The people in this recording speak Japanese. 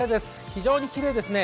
非常にきれいですね。